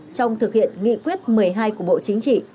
trong thực hiện nghị quyết một mươi hai của bộ chính trị